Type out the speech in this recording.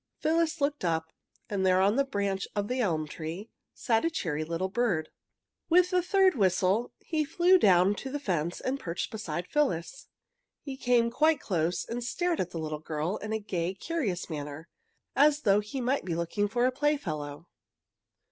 Phyllis looked up, and there on the branch of the elm tree sat a cheery little bird. With a third whistle he flew down to the fence and perched beside Phyllis. He came quite close and stared at the little girl in a gay, curious manner, as though he might be looking for a playfellow.